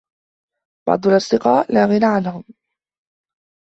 بعض الأصدقاء لا غنى عنهم.